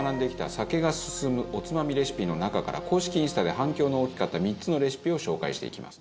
酒が進むおつまみレシピの中から公式インスタで反響の大きかった３つのレシピを紹介していきます。